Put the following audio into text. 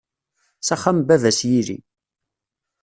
S axxam n baba-s yili.